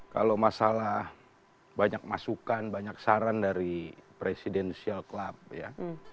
kalau masalah banyak masukan banyak saran dari presidential club ya